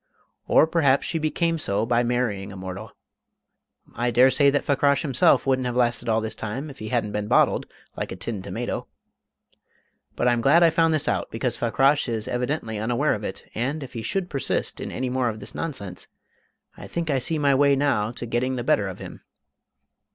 Or perhaps she became so by marrying a mortal; I dare say that Fakrash himself wouldn't have lasted all this time if he hadn't been bottled, like a tinned tomato. But I'm glad I found this out, because Fakrash is evidently unaware of it, and, if he should persist in any more of this nonsense, I think I see my way now to getting the better of him."